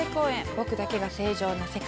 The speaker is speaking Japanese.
「僕だけが正常な世界」